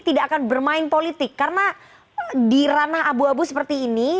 tidak akan bermain politik karena di ranah abu abu seperti ini